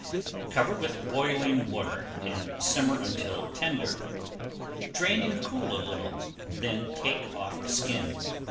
Cover with boiling water and simmer until tender. Drain and cool a little, then take off the skin.